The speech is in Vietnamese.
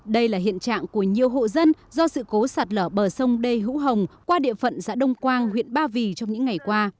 đây là hiện trạng của nhiều hộ dân do sự cố sạt lở bờ sông đê hữu hồng qua địa phận xã đông quang huyện ba vì trong những ngày qua